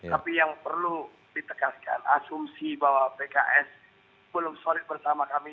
tapi yang perlu ditegaskan asumsi bahwa pks belum solid bersama kami